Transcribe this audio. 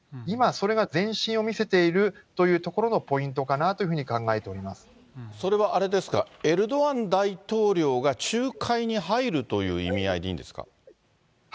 今、それが前進を見せているというところのポイントかなというふうにそれはあれですか、エルドアン大統領が仲介に入るという意味合いでいいんですか？